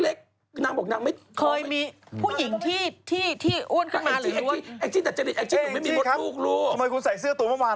เออตอนนั้นมีอายุอะไร